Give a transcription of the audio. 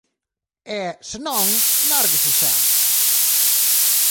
E, se non, lárguense xa.